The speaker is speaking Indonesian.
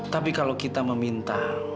tapi kalau kita meminta